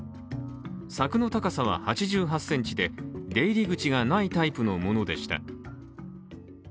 柵の高さは８８ｃｍで、出入り口がないタイプのものでした。